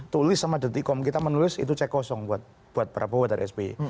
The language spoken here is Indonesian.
tulis sama detikom kita menulis itu cek kosong buat prabowo dan sby